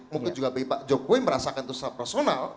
mungkin juga pak jokowi merasakan itu secara personal